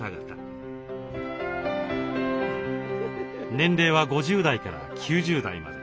年齢は５０代から９０代まで。